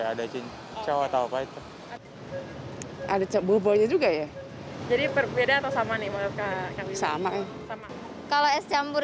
ada di cowok atau apa itu ada coba coba juga ya jadi perbedaan sama nih sama sama kalau es campur